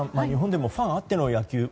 日本でもファンあっての野球